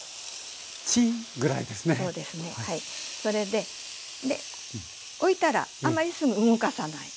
で置いたらあんまりすぐ動かさない。